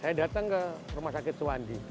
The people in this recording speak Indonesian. saya datang ke rumah sakit suwandi